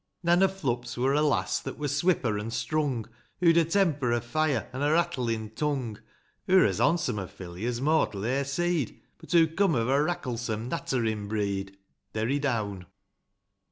ir. Nan o' Flup's wur a lass that wur swipper an' strung ; Hoo'd a temper o' fire, an' a rattlin' tung ; Hoo're as hondsome a filly as mortal e'er see'd, But hoo coom of a racklesome, natterin' breed. Derry down.